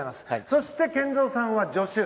そして、健三さんは助手。